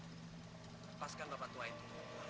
lepaskan bapak tua itu